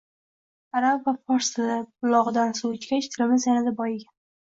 Arab va fors tili bulog‘idan suv ichgach, tilimiz yanada boyigan.